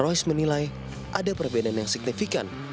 royce menilai ada perbedaan yang signifikan